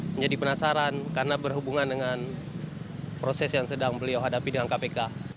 menjadi penasaran karena berhubungan dengan proses yang sedang beliau hadapi dengan kpk